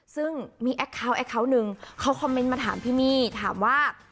ซึ่งมีแอคเคาน์แอคเคาน์หนึ่งเขาคอมเมนต์มาถามพี่มี่ถามว่า